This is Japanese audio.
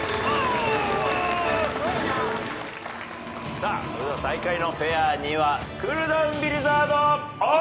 さあそれでは最下位のペアにはクールダウンビリザードオン！